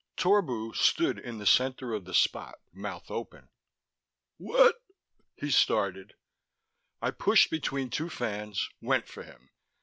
Torbu stood in the center of the Spot, mouth open. "What...?" he started. I pushed between two fans, went for him.